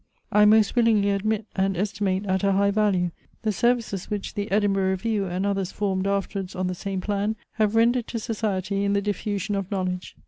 I most willingly admit, and estimate at a high value, the services which the EDINBURGH REVIEW, and others formed afterwards on the same plan, have rendered to society in the diffusion of knowledge.